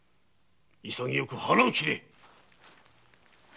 潔く腹を切れ